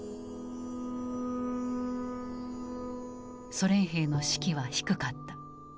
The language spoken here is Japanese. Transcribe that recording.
ソ連兵の士気は低かった。